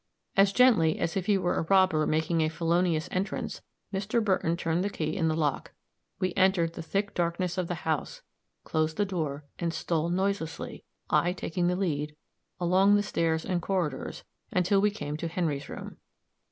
As gently as if he were a robber making a felonious entrance, Mr. Burton turned the key in the lock; we entered the thick darkness of the house, closed the door, and stole noiselessly, I taking the lead, along the stairs and corridors, until we came to Henry's room.